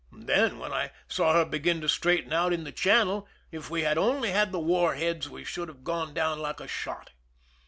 Then, when I saw her begin to straighten out in the channel, if we had only had the war heads we should have gone down like a shot.